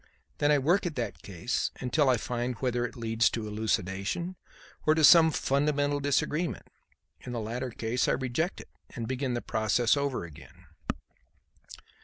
Then I work at that case until I find whether it leads to elucidation or to some fundamental disagreement. In the latter case I reject it and begin the process over again."